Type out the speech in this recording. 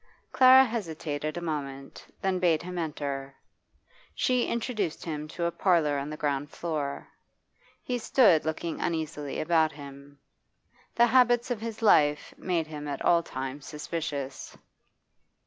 Clara hesitated a moment, then bade him enter. She introduced him to a parlour on the ground floor. He stood looking uneasily about him. The habits of his life made him at all times suspicious.